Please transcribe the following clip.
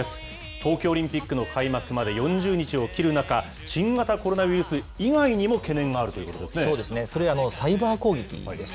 東京オリンピックの開幕まで４０日を切る中、新型コロナウイルス以外にも懸念があるということでそうですね、それはサイバー攻撃です。